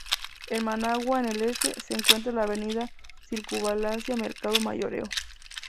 En Managua en el este, se encuentra la Avenida Circunvalación Mercado Mayoreo.